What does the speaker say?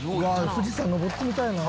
「富士山登ってみたいな」